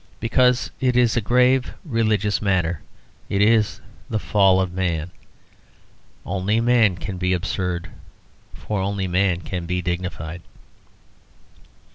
Because it is a grave religious matter: it is the Fall of Man. Only man can be absurd: for only man can be dignified.